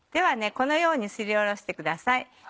このようにすりおろしてください。